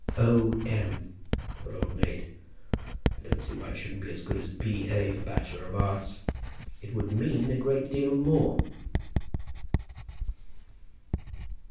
"O.M., for Old Maid. I don't see why it shouldn't be as good as B.A. for Bachelor of Arts. It would mean a great deal more."